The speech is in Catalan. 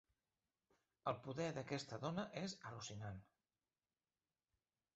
El poder d'aquesta dona és al·lucinant.